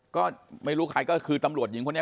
ก็ไม่รู้ใครก็คือตำรวจหญิงคนนี้